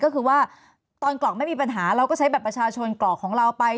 ก็คือว่าตอนกรอกไม่มีปัญหาเราก็ใช้บัตรประชาชนกรอกของเราไป